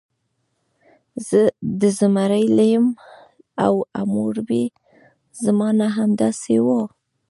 د زیمري لیم او حموربي زمانه همداسې وه.